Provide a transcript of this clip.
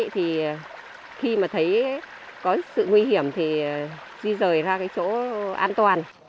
thì khi mà thấy có sự nguy hiểm thì di rời ra cái chỗ an toàn